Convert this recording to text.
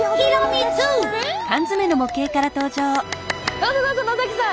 どうぞどうぞ野さん